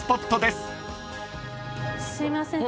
すいません。